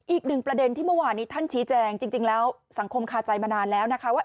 อีกหนึ่งประเด็นที่เมื่อวานนี้ท่านชี้แจงจริงแล้วสังคมคาใจมานานแล้วนะคะว่า